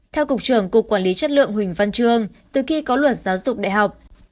theo cục trưởng cục quản lý chất lượng huỳnh văn trương từ khi có luật giáo dục đại học